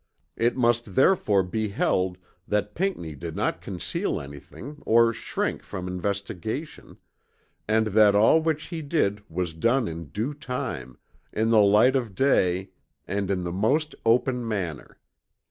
It must therefore be held that Pinckney did not conceal anything or shrink from investigation; and that all which he did was done in due time, in the light of day and in the most open manner.